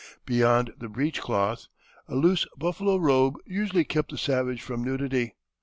Beyond the breech cloth a loose buffalo robe usually kept the savage from nudity.